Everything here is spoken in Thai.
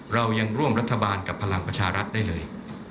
เรายังร่วมรัฐบาลกับพลังประชารัฐได้เลย